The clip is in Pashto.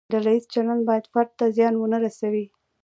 ډله ییز چلند باید فرد ته زیان ونه رسوي.